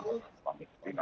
untuk olahraga s a